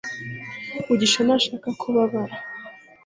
mugisha ntashaka ko ubabaza